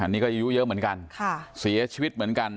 นี่ก็อายุเยอะเหมือนกันเสียชีวิตเหมือนกัน